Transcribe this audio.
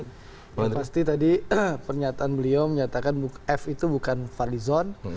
yang pasti tadi pernyataan beliau menyatakan f itu bukan fadlizon